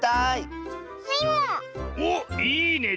おっいいね。